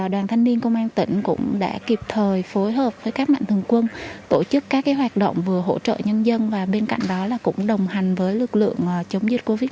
đoàn thanh niên công an tỉnh nhằm chung tay góp sức cho các hoạt động phòng chống dịch covid một mươi chín